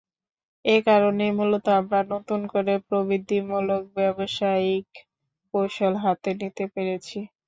এ কারণেই মূলত আমরা নতুন করে প্রবৃদ্ধিমূলক ব্যবসায়িক কৌশল হাতে নিতে পেরেছি।